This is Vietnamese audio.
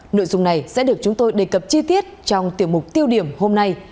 nội dung này sẽ được chúng tôi đề cập chi tiết trong tiểu mục tiêu điểm hôm nay